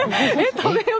食べよう。